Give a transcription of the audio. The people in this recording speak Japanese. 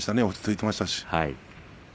落ち着いていましたね。